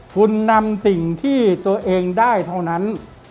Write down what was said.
คุณนำสิ่งที่ตัวเองได้เท่านั้น